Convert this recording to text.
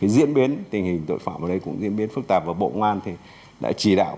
diễn biến tình hình tội phạm ở đây cũng diễn biến phức tạp và bộ ngoan đã chỉ đạo